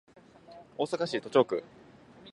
大阪市都島区